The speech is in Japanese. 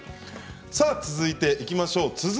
続いていきましょう。